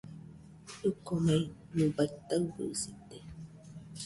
ɨkomei, nɨbaɨ taɨbɨsite.